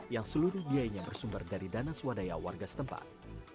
yang seluruh biayanya bersumber dari dana swadaya warga setempat